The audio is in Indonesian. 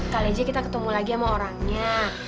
kali aja kita ketemu lagi sama orangnya